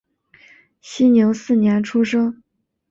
熙宁四年出生。